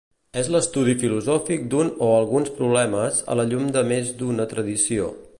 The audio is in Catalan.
És l'estudi filosòfic d'un o alguns problemes a la llum de més d'una tradició.